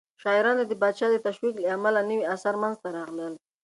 شاعرانو ته د پاچا د تشويق له امله نوي آثار منځته راغلل.